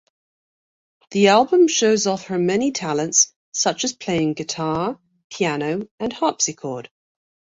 The album shows off her many talents such as playing guitar, piano and harpsichord.